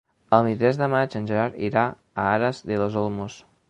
El vint-i-tres de maig en Gerard irà a Aras de los Olmos.